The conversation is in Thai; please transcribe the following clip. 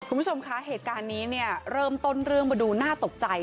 คุณผู้ชมคะเหตุการณ์นี้เนี่ยเริ่มต้นเรื่องมาดูน่าตกใจ